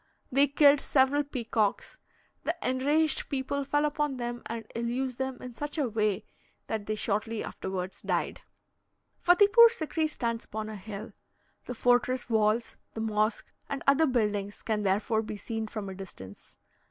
They killed several peacocks; the enraged people fell upon them and ill used them in such a way that they shortly afterwards died. Fattipoor Sikri stands upon a hill; the fortress walls, the mosque, and other buildings can therefore be seen from a distance.